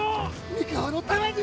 三河のために！